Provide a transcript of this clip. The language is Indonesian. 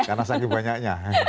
karena sakit banyaknya